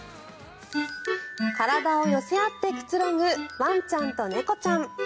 体を寄せ合ってくつろぐワンちゃんと猫ちゃん。